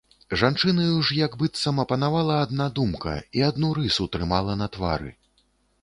Жанчынаю ж як быццам апанавала адна думка і адну рысу трымала на твары.